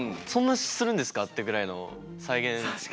そんなするんですかってぐらいの再現。